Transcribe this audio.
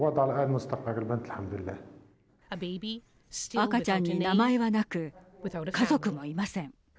赤ちゃんに名前はなく家族もいません。